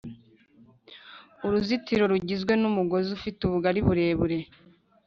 Uruzitiro rugizwe n'umugozi ufite ubugari burebure